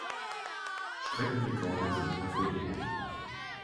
Streckenrekorde sind hervorgehoben.